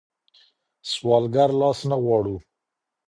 سوالګر لاس نه غواړو.